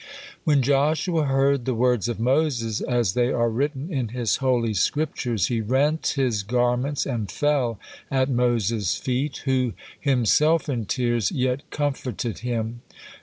When Joshua heard the words of Moses as they are written in his Holy Scriptures, he rent his garments and fell at Moses' feet, who, himself in tears, yet comforted him.